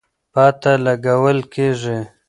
پته لګول کېږي.